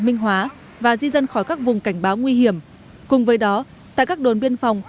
minh hóa và di dân khỏi các vùng cảnh báo nguy hiểm cùng với đó tại các đồn biên phòng